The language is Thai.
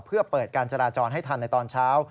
เพื่อเปิดการจราจรให้ทันในตอนเช้า